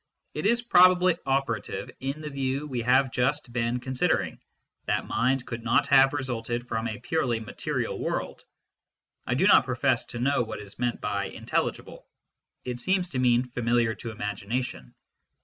It is probably operative in the view we have just been considering, that mind could not have resulted from a purely material world. I do not profess to know what is meant by " intelligible "; it seems to mean " familiar to imagination."